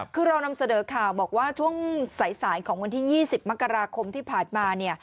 คือเรานำเสนอข่าวบอกว่าช่วงสายของวันที่๒๐มกราคมที่ผ่านมา